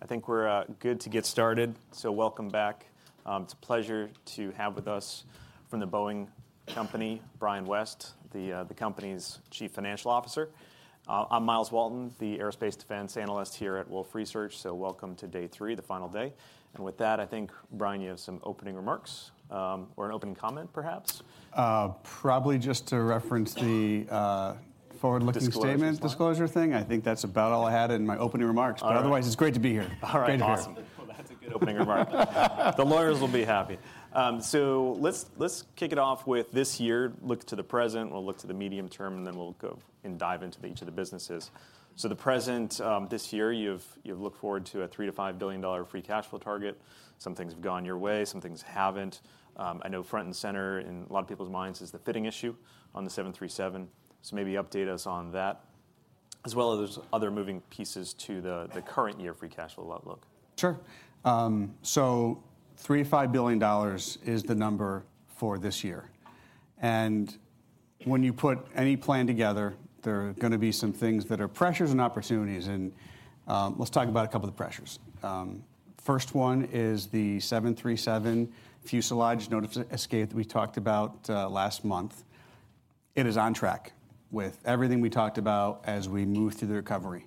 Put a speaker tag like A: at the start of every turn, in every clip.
A: I think we're good to get started, so welcome back. It's a pleasure to have with us from The Boeing Company, Brian West, the company's Chief Financial Officer. I'm Myles Walton, the aerospace defense analyst here at Wolfe Research. Welcome to day 3, the final day. With that, I think, Brian, you have some opening remarks, or an opening comment, perhaps?
B: Probably just to reference the. Disclosure... statement disclosure thing. I think that's about all I had in my opening remarks.
A: All right.
B: Otherwise, it's great to be here.
A: All right, awesome.
B: Great to be here.
A: Well, that's a good opening remark. The lawyers will be happy. Let's kick it off with this year, look to the present, we'll look to the medium term, and then we'll go and dive into each of the businesses. The present, this year, you've looked forward to a $3 billion-$5 billion free cash flow target. Some things have gone your way, some things haven't. I know front and center in a lot of people's minds is the fitting issue on the 737. Maybe update us on that, as well as there's other moving pieces to the current year free cash flow outlook.
B: Sure. $3 billion-$5 billion is the number for this year. When you put any plan together, there are gonna be some things that are pressures and opportunities. Let's talk about a couple of the pressures. First one is the 737 fuselage Notice of Escape that we talked about last month. It is on track with everything we talked about as we move through the recovery.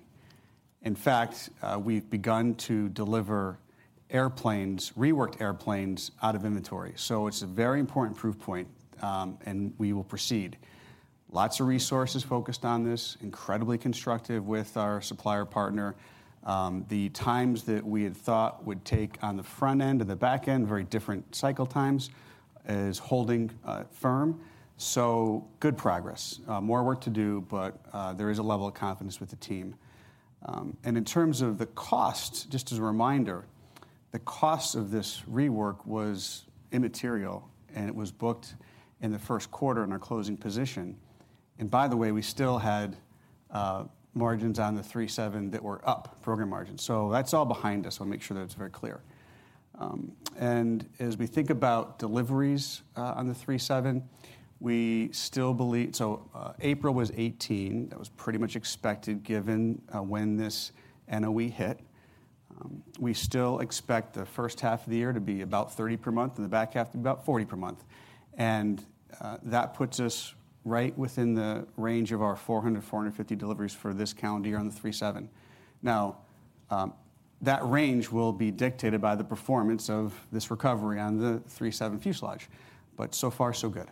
B: In fact, we've begun to deliver airplanes, reworked airplanes out of inventory. It's a very important proof point, and we will proceed. Lots of resources focused on this, incredibly constructive with our supplier partner. The times that we had thought would take on the front end and the back end, very different cycle times, is holding firm. Good progress. More work to do, but there is a level of confidence with the team. In terms of the cost, just as a reminder, the cost of this rework was immaterial, and it was booked in the first quarter in our closing position. By the way, we still had margins on the 737 that were up, program margins. That's all behind us. I wanna make sure that it's very clear. As we think about deliveries on the 737, we still believe... April was 18. That was pretty much expected, given when this NOE hit. We still expect the first half of the year to be about 30 per month, in the back half, about 40 per month. That puts us right within the range of our 400-450 deliveries for this calendar year on the 737. Now, that range will be dictated by the performance of this recovery on the 737 fuselage, but so far, so good.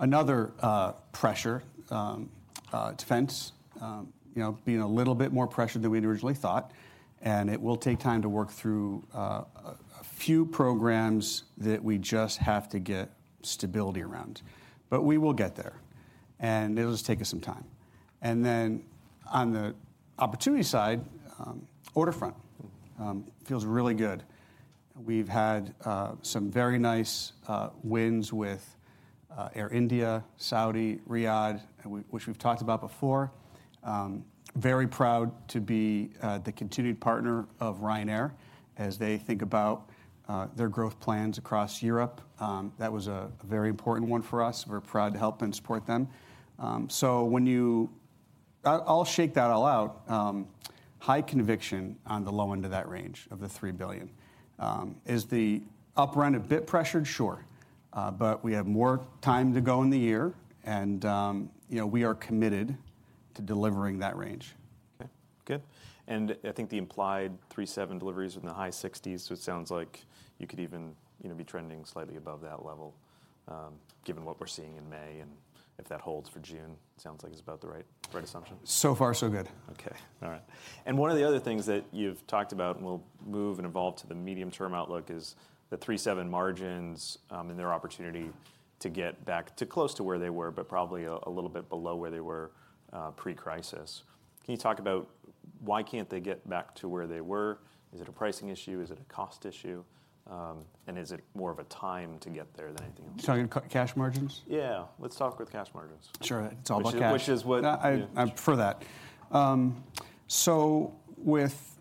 B: Another pressure, you know, being a little bit more pressured than we'd originally thought, and it will take time to work through a few programs that we just have to get stability around. We will get there, and it'll just take us some time. On the opportunity side, order front, feels really good. We've had some very nice wins with Air India, SAUDIA, Riyadh, and which we've talked about before. Very proud to be the continued partner of Ryanair as they think about their growth plans across Europe. That was a very important one for us. We're proud to help and support them. I'll shake that all out, high conviction on the low end of that range, of the $3 billion. Is the upfront a bit pressured? Sure, we have more time to go in the year, and, you know, we are committed to delivering that range.
A: Okay, good. I think the implied 737 deliveries in the high 60s, it sounds like you could even, you know, be trending slightly above that level, given what we're seeing in May, if that holds for June, sounds like it's about the right assumption?
B: So far, so good.
A: Okay. All right. One of the other things that you've talked about, and we'll move and evolve to the medium-term outlook, is the 777 margins and their opportunity to get back to close to where they were, but probably a little bit below where they were pre-crisis. Can you talk about why can't they get back to where they were? Is it a pricing issue? Is it a cost issue? Is it more of a time to get there than anything else?
B: Talking cash margins?
A: Yeah, let's talk with cash margins.
B: Sure. It's all about cash.
A: Which is.
B: I'm for that. With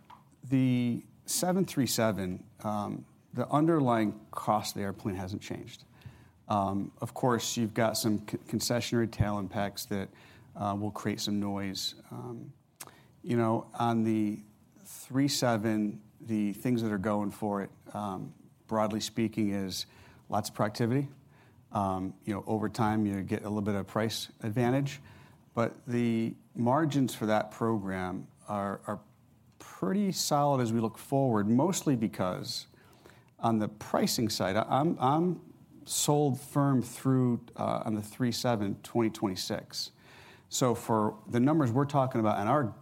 B: the 737, the underlying cost of the airplane hasn't changed. Of course, you've got some concessionary tail impacts that will create some noise. You know, on the 737, the things that are going for it, broadly speaking, is lots of productivity. You know, over time, you get a little bit of price advantage, but the margins for that program are pretty solid as we look forward, mostly because on the pricing side, I'm sold firm through on the 737, 2026. For the numbers we're talking about in our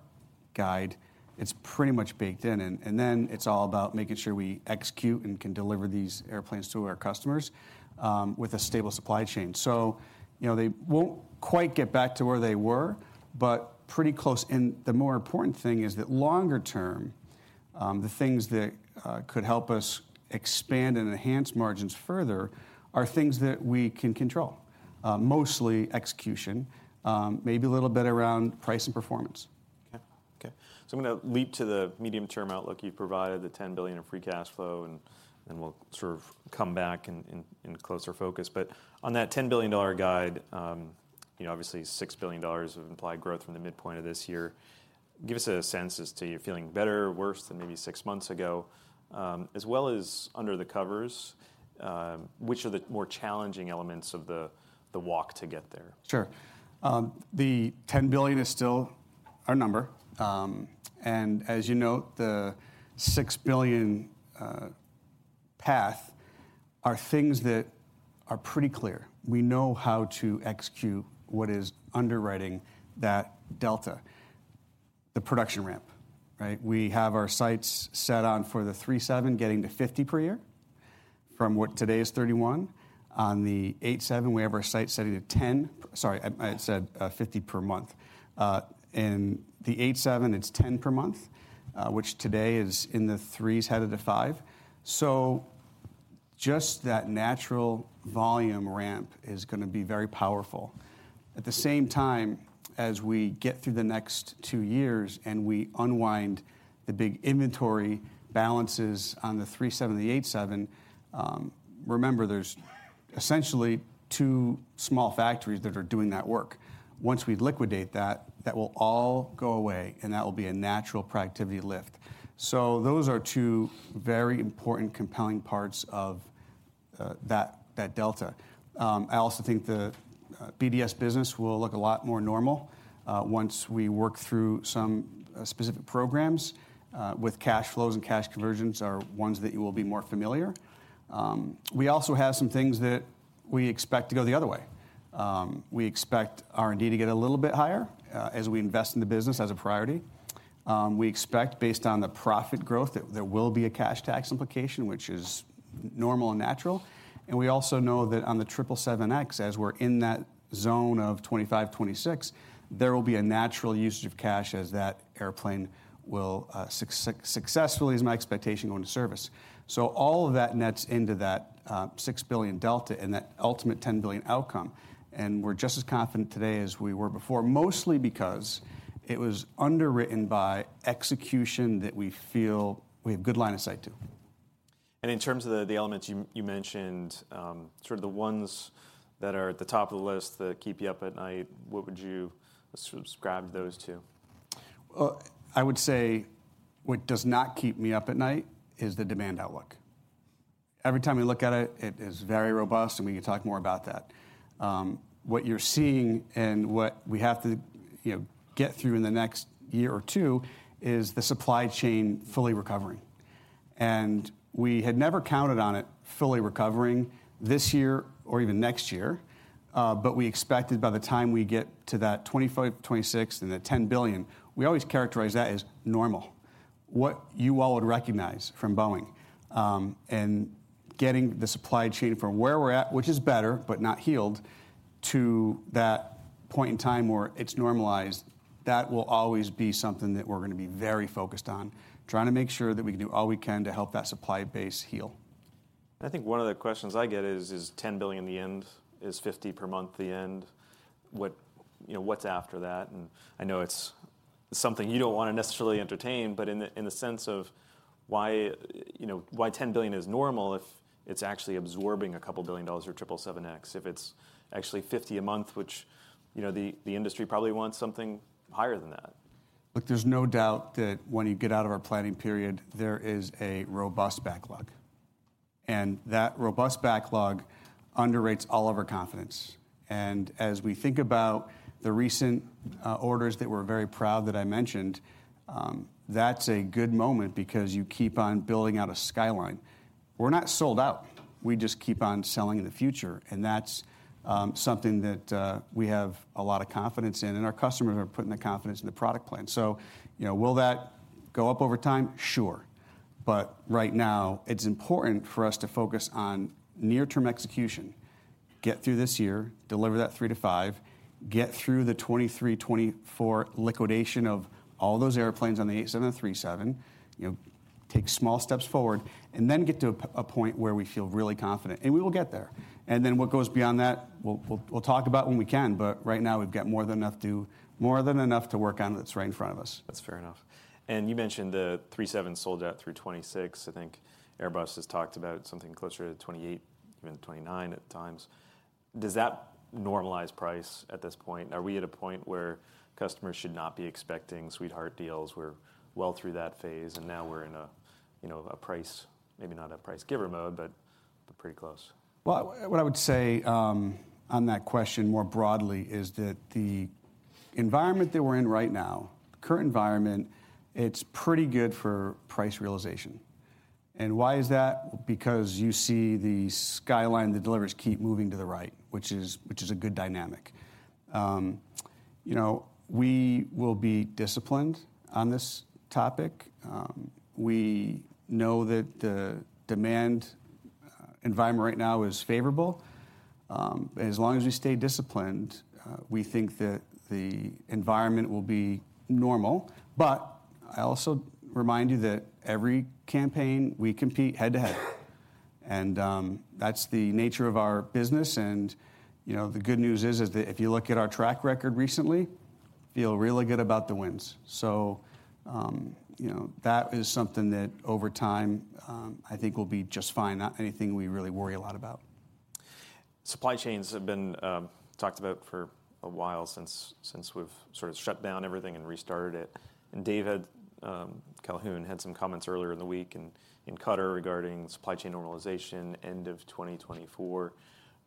B: guide, it's pretty much baked in, and then it's all about making sure we execute and can deliver these airplanes to our customers with a stable supply chain. You know, they won't quite get back to where they were, but pretty close. The more important thing is that longer term, the things that could help us expand and enhance margins further are things that we can control, mostly execution, maybe a little bit around price and performance.
A: Okay, okay. I'm gonna leap to the medium-term outlook. You've provided the $10 billion of free cash flow, and we'll sort of come back in closer focus. On that $10 billion guide, you know, obviously $6 billion of implied growth from the midpoint of this year. Give us a sense as to you feeling better or worse than maybe 6 months ago, as well as under the covers, which are the more challenging elements of the walk to get there?
B: Sure. The $10 billion is still our number. As you note, the $6 billion path are things that are pretty clear. We know how to execute what is underwriting that delta, the production ramp, right? We have our sights set on for the 737, getting to 50 per year, from what today is 31. On the 787, we have our sights set at 10. Sorry, I said 50 per month. The 787, it's 10 per month, which today is in the 3s, headed to 5. Just that natural volume ramp is going to be very powerful. At the same time, as we get through the next 2 years, and we unwind the big inventory balances on the 737 and the 787, remember, there's essentially 2 small factories that are doing that work. Once we liquidate that will all go away, and that will be a natural productivity lift. Those are two very important, compelling parts of that delta. I also think the BDS business will look a lot more normal once we work through some specific programs with cash flows, and cash conversions are ones that you will be more familiar. We also have some things that we expect to go the other way. We expect R&D to get a little bit higher as we invest in the business as a priority. We expect, based on the profit growth, that there will be a cash tax implication, which is normal and natural. We also know that on the 777X, as we're in that zone of 2025, 2026, there will be a natural usage of cash as that airplane will successfully, is my expectation, go into service. All of that nets into that $6 billion delta and that ultimate $10 billion outcome, and we're just as confident today as we were before, mostly because it was underwritten by execution that we feel we have good line of sight to.
A: In terms of the elements you mentioned, sort of the ones that are at the top of the list that keep you up at night, what would you subscribe those to?
B: Well, I would say what does not keep me up at night is the demand outlook. Every time we look at it is very robust, and we can talk more about that. What you're seeing and what we have to, you know, get through in the next year or two, is the supply chain fully recovering. We had never counted on it fully recovering this year or even next year, but we expected by the time we get to that 2025, 2026 and the $10 billion, we always characterize that as normal, what you all would recognize from Boeing. Getting the supply chain from where we're at, which is better, but not healed, to that point in time where it's normalized, that will always be something that we're gonna be very focused on, trying to make sure that we can do all we can to help that supply base heal.
A: I think one of the questions I get is $10 billion the end? Is 50 per month the end? You know, what's after that? I know it's something you don't want to necessarily entertain, but in the, in the sense of why, you know, why $10 billion is normal, if it's actually absorbing $2 billion for 777X, if it's actually 50 a month, which, you know, the industry probably wants something higher than that.
B: Look, there's no doubt that when you get out of our planning period, there is a robust backlog, that robust backlog underrates all of our confidence. As we think about the recent orders that we're very proud that I mentioned, that's a good moment, because you keep on building out a skyline. We're not sold out. We just keep on selling in the future, that's something that we have a lot of confidence in, our customers are putting the confidence in the product plan. You know, will that go up over time? Sure. Right now, it's important for us to focus on near-term execution, get through this year, deliver that 3 to 5, get through the 2023, 2024 liquidation of all those airplanes on the 787 and 737, you know, take small steps forward, and then get to a point where we feel really confident, and we will get there. What goes beyond that, we'll talk about when we can, but right now, we've got more than enough to work on that's right in front of us.
A: That's fair enough. You mentioned the 737 sold out through 2026. I think Airbus has talked about something closer to 2028, even 2029 at times. Does that normalize price at this point? Are we at a point where customers should not be expecting sweetheart deals, we're well through that phase, and now we're in a, you know, a price, maybe not a price giver mode, but pretty close?
B: Well, what I would say, on that question more broadly is that the environment that we're in right now, the current environment, it's pretty good for price realization. Why is that? Because you see the skyline, the deliveries keep moving to the right, which is a good dynamic. You know, we will be disciplined on this topic. We know that the demand environment right now is favorable. As long as we stay disciplined, we think that the environment will be normal. I also remind you that every campaign, we compete head-to-head, and, that's the nature of our business. You know, the good news is that if you look at our track record feel really good about the wins. you know, that is something that over time, I think will be just fine, not anything we really worry a lot about.
A: Supply chains have been talked about for a while, since we've sort of shut down everything and restarted it. David Calhoun had some comments earlier in the week in Qatar regarding supply chain normalization, end of 2024.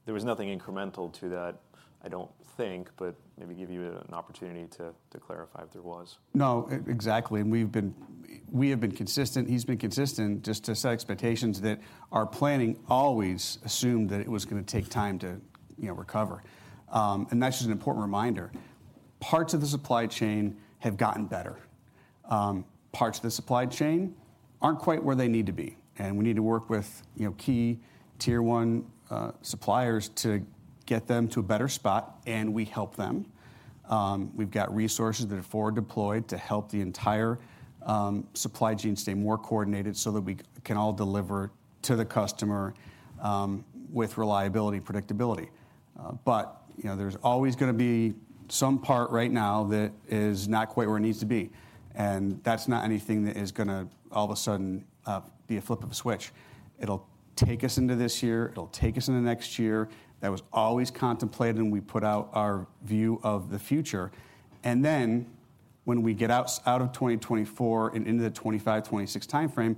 A: There was nothing incremental to that, I don't think, but maybe give you an opportunity to clarify if there was.
B: No, exactly, we have been consistent, he's been consistent, just to set expectations that our planning always assumed that it was gonna take time to, you know, recover. That's just an important reminder. Parts of the supply chain have gotten better. Parts of the supply chain aren't quite where they need to be, we need to work with, you know, key Tier 1 suppliers to get them to a better spot, we help them. We've got resources that are forward deployed to help the entire supply chain stay more coordinated so that we can all deliver to the customer with reliability and predictability. You know, there's always gonna be some part right now that is not quite where it needs to be, and that's not anything that is gonna all of a sudden, be a flip of a switch. It'll take us into this year, it'll take us into next year. That was always contemplated, and we put out our view of the future. When we get out of 2024 and into the 2025, 2026 timeframe,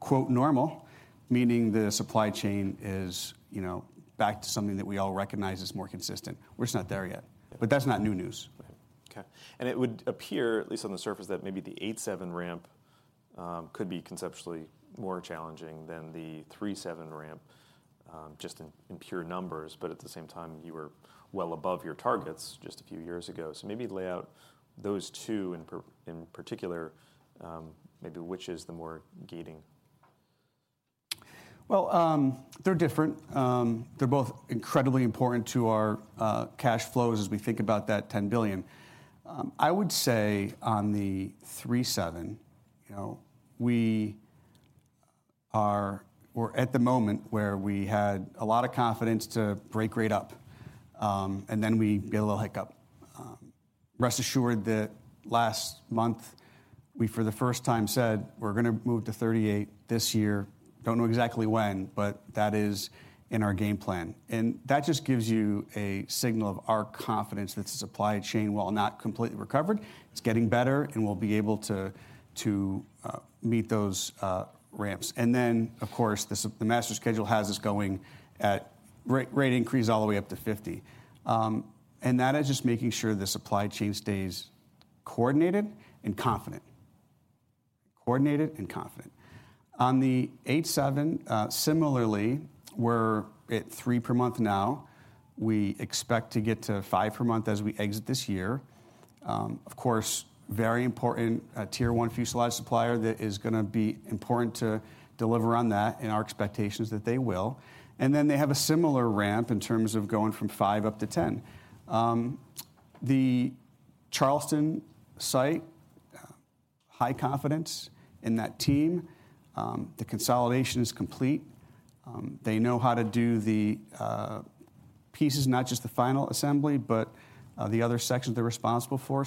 B: quote, "normal," meaning the supply chain is, you know, back to something that we all recognize as more consistent. We're just not there yet.
A: Yeah.
B: That's not new news.
A: Okay. It would appear, at least on the surface, that maybe the 787 ramp could be conceptually more challenging than the 737 ramp, just in pure numbers. At the same time, you were well above your targets just a few years ago. Maybe lay out those two in particular, maybe which is the more gating?
B: They're different. They're both incredibly important to our cash flows as we think about that $10 billion. I would say on the 737, you know, we're at the moment where we had a lot of confidence to break rate up, we get a little hiccup. Rest assured that last month, we for the first time said, "We're gonna move to 38 this year. Don't know exactly when, but that is in our game plan." That just gives you a signal of our confidence that the supply chain, while not completely recovered, it's getting better, and we'll be able to meet those ramps. Of course, the master schedule has us going at rate increase all the way up to 50. That is just making sure the supply chain stays coordinated and confident. Coordinated and confident. On the 787, similarly, we're at 3 per month now. We expect to get to 5 per month as we exit this year. Of course, very important, Tier 1 fuselage supplier that is gonna be important to deliver on that, and our expectation is that they will. They have a similar ramp in terms of going from 5 up to 10. The Charleston site, high confidence in that team. The consolidation is complete. They know how to do the pieces, not just the final assembly, but the other sections they're responsible for.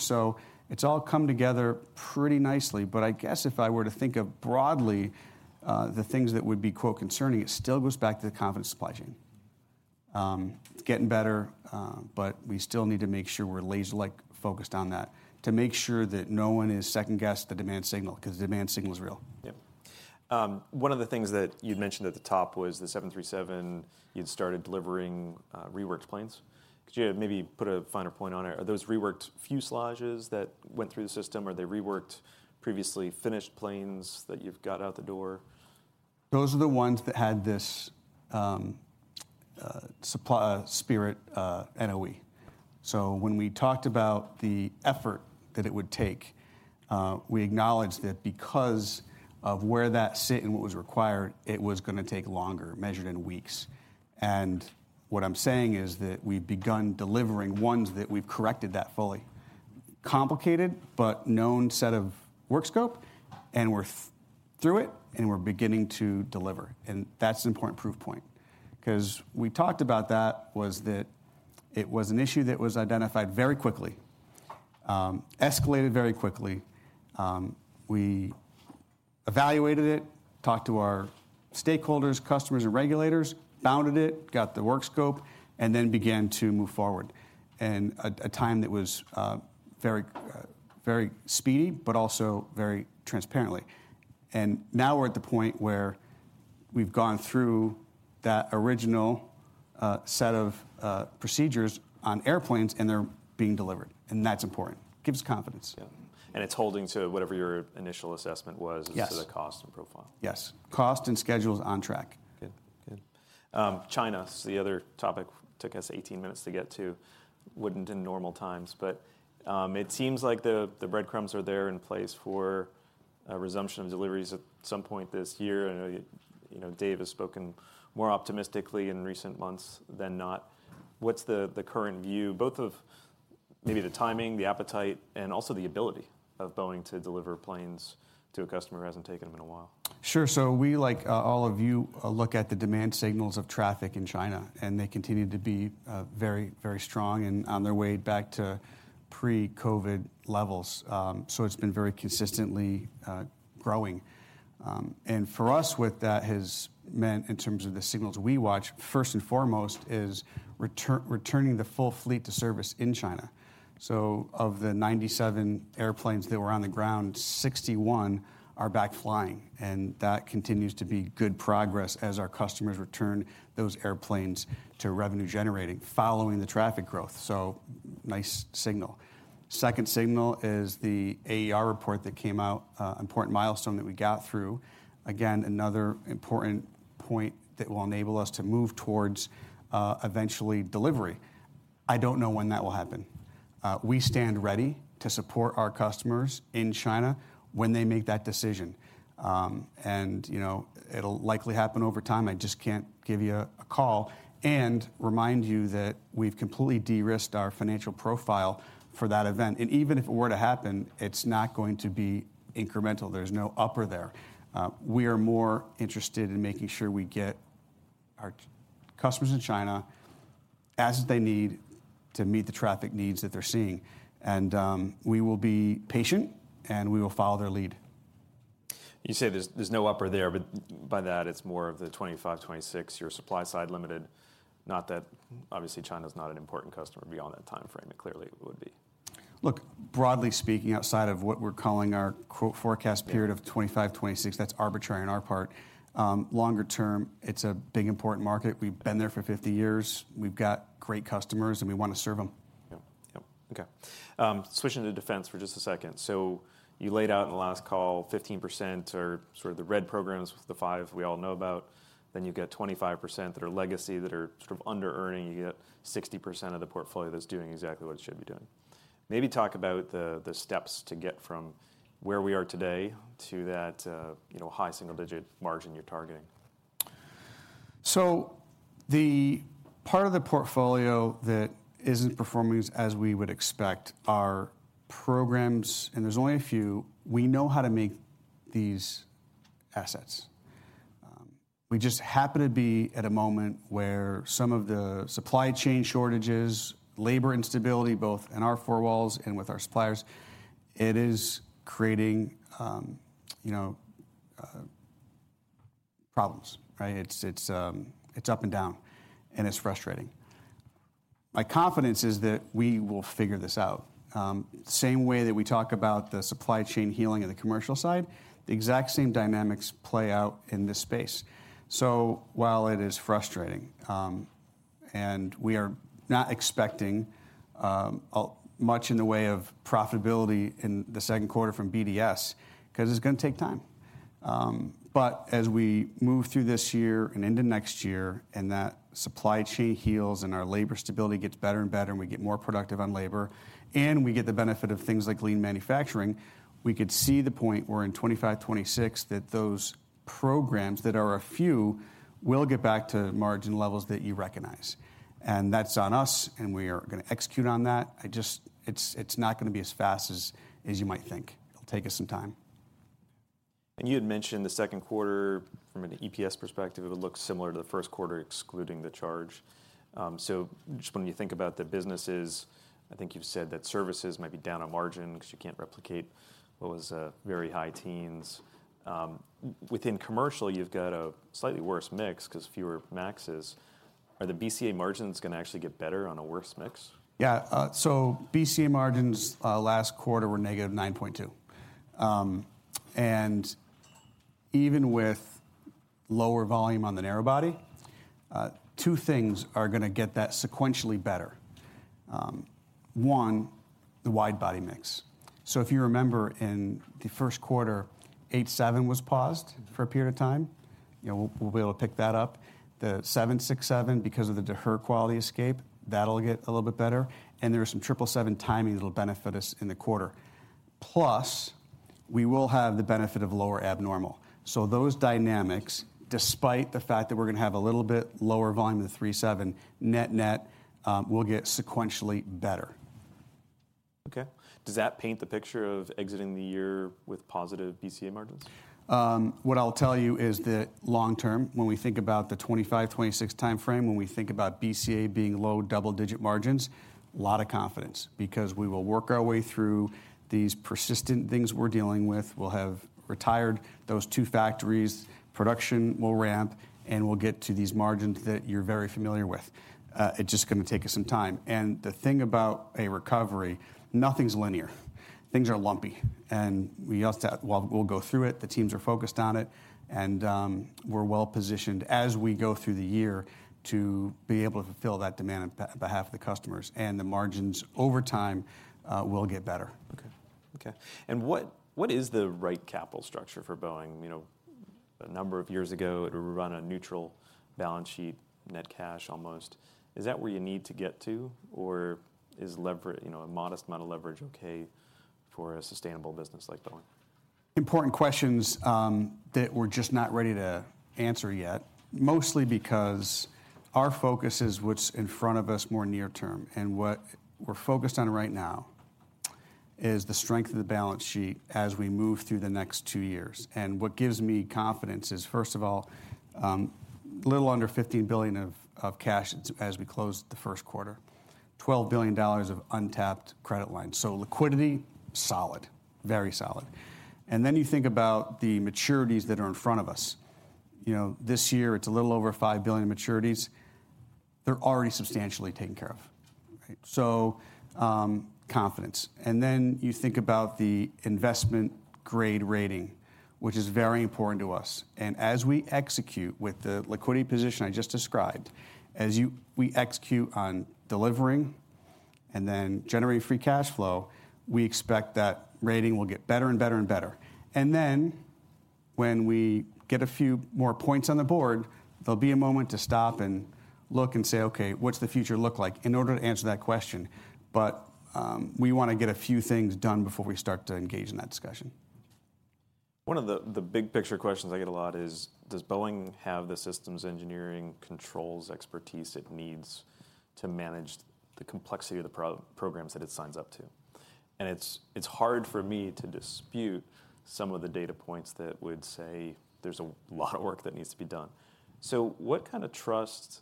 B: It's all come together pretty nicely. I guess if I were to think of broadly, the things that would be, quote, "concerning," it still goes back to the confidence supply chain. It's getting better, but we still need to make sure we're laser-like focused on that to make sure that no one is second-guessed the demand signal, 'cause the demand signal is real.
A: Yep. One of the things that you'd mentioned at the top was the 737, you'd started delivering reworked planes. Could you maybe put a finer point on it? Are those reworked fuselages that went through the system, or are they reworked previously finished planes that you've got out the door?
B: Those are the ones that had this, supply Spirit AeroSystems, NOE. When we talked about the effort that it would take, we acknowledged that because of where that sit and what was required, it was gonna take longer, measured in weeks. What I'm saying is that we've begun delivering ones that we've corrected that fully. Complicated, but known set of work scope, and we're through it, and we're beginning to deliver, and that's an important proof point. 'Cause we talked about that, was that it was an issue that was identified very quickly, escalated very quickly. We evaluated it, talked to our stakeholders, customers, and regulators, bounded it, got the work scope, and then began to move forward. At a time that was, very, very speedy, but also very transparently. Now we're at the point where we've gone through that original set of procedures on airplanes, and they're being delivered, and that's important. Gives us confidence.
A: Yeah, It's holding to whatever your initial assessment was.
B: Yes
A: as to the cost and profile?
B: Yes. Cost and schedule is on track.
A: Good. Good. China, so the other topic took us 18 minutes to get to, wouldn't in normal times, but it seems like the breadcrumbs are there in place for a resumption of deliveries at some point this year. I know, you know, Dave has spoken more optimistically in recent months than not. What's the current view, both of maybe the timing, the appetite, and also the ability of Boeing to deliver planes to a customer who hasn't taken them in a while.
B: Sure. We, like, all of you, look at the demand signals of traffic in China, and they continue to be very, very strong and on their way back to pre-COVID levels. It's been very consistently growing. For us, what that has meant in terms of the signals we watch, first and foremost, is returning the full fleet to service in China. Of the 97 airplanes that were on the ground, 61 are back flying, and that continues to be good progress as our customers return those airplanes to revenue generating, following the traffic growth. Nice signal. Second signal is the AD report that came out, important milestone that we got through. Again, another important point that will enable us to move towards eventually delivery. I don't know when that will happen. We stand ready to support our customers in China when they make that decision. You know, it'll likely happen over time. I just can't give you a call, and remind you that we've completely de-risked our financial profile for that event, and even if it were to happen, it's not going to be incremental. There's no upper there. We are more interested in making sure we get our customers in China as they need to meet the traffic needs that they're seeing, and we will be patient, and we will follow their lead.
A: You say there's no upper there, by that, it's more of the 2025, 2026, you're supply side limited. Obviously, China's not an important customer beyond that time frame, it clearly would be.
B: Look, broadly speaking, outside of what we're calling our quote, forecast period...
A: Yeah
B: of 2025, 2026, that's arbitrary on our part. Longer term, it's a big, important market. We've been there for 50 years. We've got great customers, and we want to serve them.
A: Yep. Okay. Switching to defense for just a second. You laid out in the last call, 15% are sort of the red programs, the 5 we all know about. You've got 25% that are legacy, that are sort of under earning. You get 60% of the portfolio that's doing exactly what it should be doing. Maybe talk about the steps to get from where we are today to that, you know, high single-digit margin you're targeting.
B: The part of the portfolio that isn't performing as we would expect are programs, and there's only a few. We know how to make these assets. We just happen to be at a moment where some of the supply chain shortages, labor instability, both in our four walls and with our suppliers, it is creating, you know, problems, right? It's up and down, and it's frustrating. My confidence is that we will figure this out. Same way that we talk about the supply chain healing on the commercial side, the exact same dynamics play out in this space. While it is frustrating, and we are not expecting much in the way of profitability in the second quarter from BDS, because it's gonna take time. As we move through this year and into next year, and that supply chain heals, and our labor stability gets better and better, and we get more productive on labor, and we get the benefit of things like lean manufacturing, we could see the point where in 2025, 2026, that those programs, that are a few, will get back to margin levels that you recognize. And that's on us, and we are gonna execute on that. I just, it's not gonna be as fast as you might think. It'll take us some time.
A: You had mentioned the second quarter from an EPS perspective, it would look similar to the first quarter, excluding the charge. Just when you think about the businesses, I think you've said that services might be down on margin, because you can't replicate what was very high teens. Within commercial, you've got a slightly worse mix, because fewer MAXs. Are the BCA margins gonna actually get better on a worse mix?
B: BCA margins last quarter were -9.2%. Even with lower volume on the narrow-body, two things are gonna get that sequentially better. One, the wide-body mix. If you remember in the first quarter, 787 was paused for a period of time. You know, we'll be able to pick that up. The 767, because of the deferred quality escape, that'll get a little bit better, and there are some 777 timing that'll benefit us in the quarter. We will have the benefit of lower abnormal. Those dynamics, despite the fact that we're gonna have a little bit lower volume of the 737, net-net, will get sequentially better.
A: Okay. Does that paint the picture of exiting the year with positive BCA margins?
B: What I'll tell you is that long term, when we think about the 2025, 2026 time frame, when we think about BCA being low double-digit % margins, a lot of confidence, because we will work our way through these persistent things we're dealing with. We'll have retired those two factories, production will ramp, and we'll get to these margins that you're very familiar with. It's just gonna take us some time, and the thing about a recovery, nothing's linear. Things are lumpy. Well, we'll go through it, the teams are focused on it, and we're well positioned as we go through the year to be able to fulfill that demand behalf of the customers, and the margins over time will get better.
A: Okay. What is the right capital structure for Boeing? You know, a number of years ago, it would run a neutral balance sheet, net cash almost. Is that where you need to get to, or is you know, a modest amount of leverage okay for a sustainable business like Boeing?...
B: important questions that we're just not ready to answer yet, mostly because our focus is what's in front of us more near term, and what we're focused on right now is the strength of the balance sheet as we move through the next two years. What gives me confidence is, first of all, a little under $15 billion of cash as we closed the first quarter, $12 billion of untapped credit lines, so liquidity, solid, very solid. You think about the maturities that are in front of us. You know, this year it's a little over $5 billion in maturities. They're already substantially taken care of, right? Confidence. You think about the investment grade rating, which is very important to us, and as we execute with the liquidity position I just described, as we execute on delivering and then generating free cash flow, we expect that rating will get better and better and better. When we get a few more points on the board, there'll be a moment to stop and look and say, "Okay, what's the future look like?" In order to answer that question, we want to get a few things done before we start to engage in that discussion.
A: One of the big picture questions I get a lot is, does Boeing have the systems engineering controls expertise it needs to manage the complexity of the programs that it signs up to? It's hard for me to dispute some of the data points that would say there's a lot of work that needs to be done. What kind of trust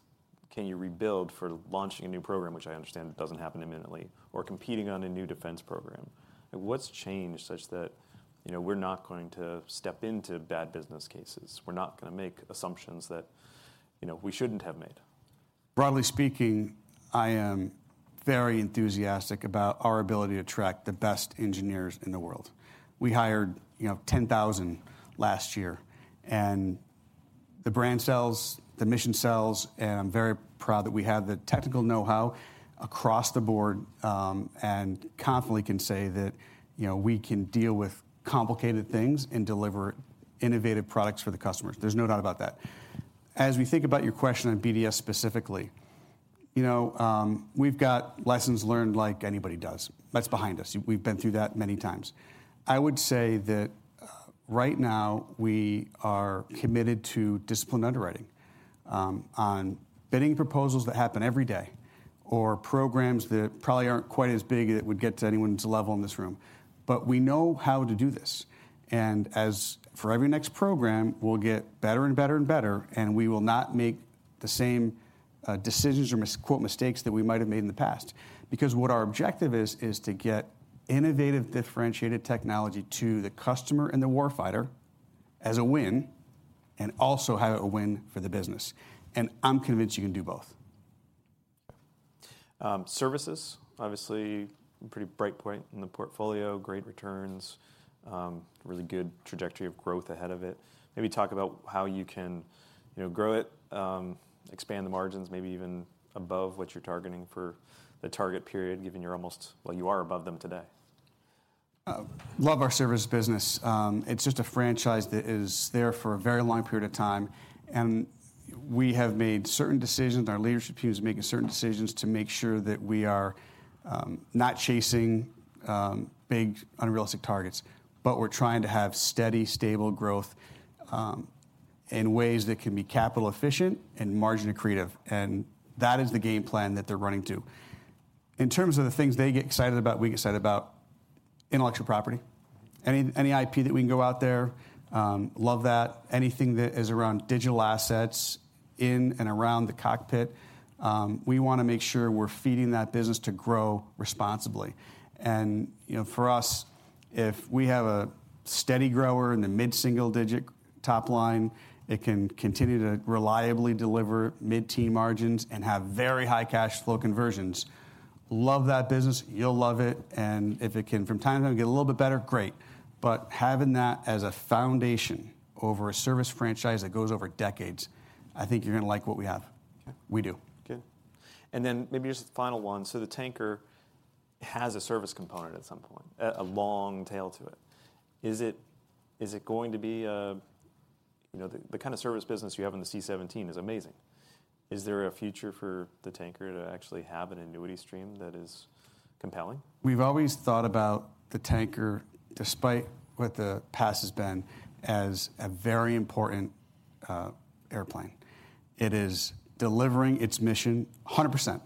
A: can you rebuild for launching a new program, which I understand doesn't happen imminently, or competing on a new defense program? What's changed such that, you know, we're not going to step into bad business cases, we're not gonna make assumptions that, you know, we shouldn't have made?
B: Broadly speaking, I am very enthusiastic about our ability to attract the best engineers in the world. We hired, you know, 10,000 last year, and the brand sells, the mission sells, and I'm very proud that we have the technical know-how across the board, and confidently can say that, you know, we can deal with complicated things and deliver innovative products for the customers. There's no doubt about that. As we think about your question on BDS specifically, you know, we've got lessons learned like anybody does. That's behind us. We've been through that many times. I would say that right now we are committed to disciplined underwriting, on bidding proposals that happen every day, or programs that probably aren't quite as big that would get to anyone's level in this room. We know how to do this, and as... for every next program, we'll get better and better and better, and we will not make the same, decisions or quote, "mistakes" that we might have made in the past. What our objective is to get innovative, differentiated technology to the customer and the warfighter as a win, and also have it a win for the business, and I'm convinced you can do both.
A: Services, obviously a pretty bright point in the portfolio, great returns, really good trajectory of growth ahead of it. Maybe talk about how you can, you know, grow it, expand the margins, maybe even above what you're targeting for the target period, given you're almost... Well, you are above them today.
B: Love our service business. It's just a franchise that is there for a very long period of time, and we have made certain decisions, our leadership team is making certain decisions to make sure that we are not chasing big, unrealistic targets, but we're trying to have steady, stable growth in ways that can be capital efficient and margin accretive, and that is the game plan that they're running to. In terms of the things they get excited about, we get excited about: intellectual property. Any IP that we can go out there, love that. Anything that is around digital assets, in and around the cockpit, we wanna make sure we're feeding that business to grow responsibly. You know, for us, if we have a steady grower in the mid-single-digit top line, it can continue to reliably deliver mid-teen margins and have very high cash flow conversions. Love that business, you'll love it, and if it can from time to time get a little bit better, great. Having that as a foundation over a service franchise that goes over decades, I think you're gonna like what we have.
A: Okay.
B: We do.
A: Okay. Maybe just a final one. The tanker has a service component at some point, a long tail to it. Is it going to be a... You know, the kind of service business you have on the C-17 is amazing. Is there a future for the tanker to actually have an annuity stream that is compelling?
B: We've always thought about the tanker, despite what the past has been, as a very important airplane. It is delivering its mission 100%.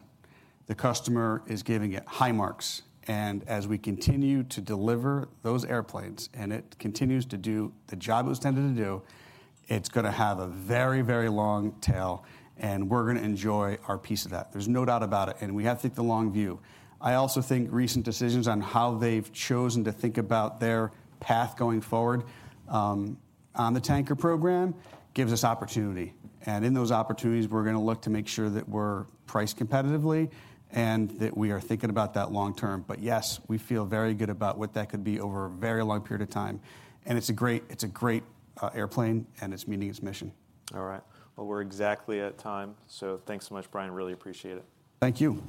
B: The customer is giving it high marks, as we continue to deliver those airplanes, and it continues to do the job it was intended to do, it's gonna have a very, very long tail, and we're gonna enjoy our piece of that. There's no doubt about it, we have to take the long view. I also think recent decisions on how they've chosen to think about their path going forward, on the tanker program, gives us opportunity. In those opportunities, we're gonna look to make sure that we're priced competitively and that we are thinking about that long term. Yes, we feel very good about what that could be over a very long period of time, and it's a great airplane, and it's meeting its mission.
A: All right. Well, we're exactly at time, thanks so much, Brian. Really appreciate it.
B: Thank you.